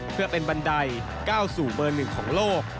เพื่อเป็นบันไดก้าวสู่เบอร์หนึ่งของโลก